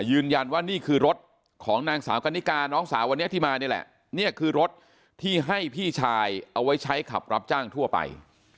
ยืนยันว่านี่คือรถของนางสาวกันนิกาน้องสาววันนี้ที่มานี่แหละนี่คือรถที่ให้พี่ชายเอาไว้ใช้ขับรับจ้างทั่วไป